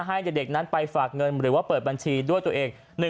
ให้เด็กนั้นไปฝากเงินหรือว่าเปิดบัญชีด้วยตัวเอง